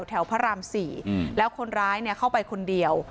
พระราม๔แล้วคนร้ายเข้าไปคนเดียว